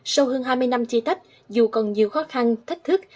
sâu hơn hai mươi năm chi tách dù còn nhiều khó khăn thách thức